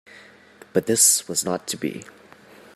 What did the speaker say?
But this was not to be.